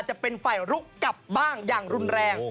จะเป็นฝ่ายลุกกลับบ้างอย่างรุนแรง